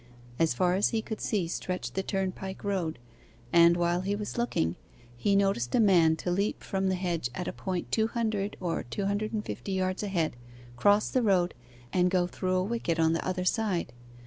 As far as he could see stretched the turnpike road, and, while he was looking, he noticed a man to leap from the hedge at a point two hundred, or two hundred and fifty yards ahead, cross the road, and go through a wicket on the other side.